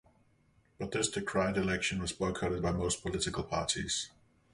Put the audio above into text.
But this decried election was boycotted by most political parties.